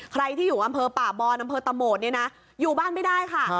ใครที่อยู่อำเภอป่าบอนอำเภอตะโหมดเนี่ยนะอยู่บ้านไม่ได้ค่ะ